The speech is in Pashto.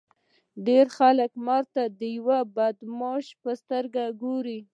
ډېر خلک مرګ ته د یوه بد شي په سترګه ګوري